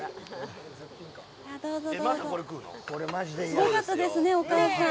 すごかったですね、お母さん。